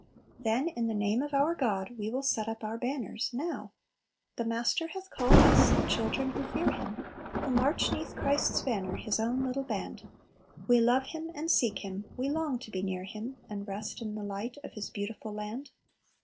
Then, "in the name of our God we will set up our banners" now! "The Master hath called us, the children who fear Him, Who march 'neath Christ's banner, His own little band; We love Him, and seek Him; we long to be near Him, And rest in the light of His beautiful land."